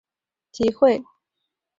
国会原在费城的国会厅集会了。